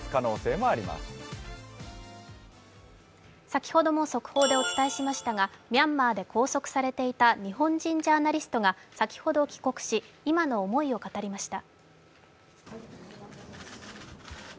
先ほども速報でお伝えしましたが、ミャンマーで拘束されていた日本人ジャーナリストが先ほど、帰国し、今の思いを語りました。